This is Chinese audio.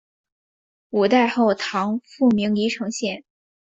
五代后唐复名黎城县。